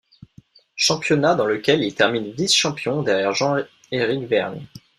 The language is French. Championnat dans lequel il termine vice-champion, derrière Jean-Eric Vergne.